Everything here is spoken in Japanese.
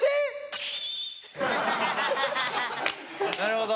なるほど。